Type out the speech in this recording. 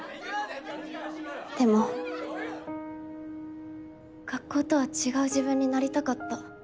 でも学校とは違う自分になりたかった。